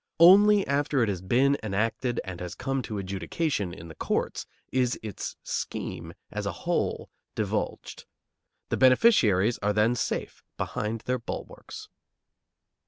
Only after it has been enacted and has come to adjudication in the courts is its scheme as a whole divulged. The beneficiaries are then safe behind their bulwarks.